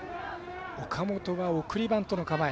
岡本が送りバントの構え。